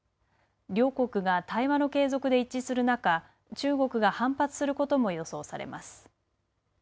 両国が対話の継続で一致する中、中国が反発することも予想されます。